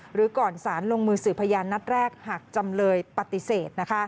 หรือก่อนสารลงมือสื่อพยานนัดแรกหากจำเลยปฏิเสธ